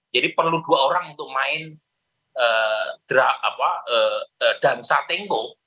jadi perlu dua orang untuk main dansa tango